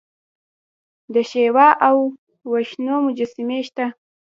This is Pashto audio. د شیوا او وشنو مجسمې شته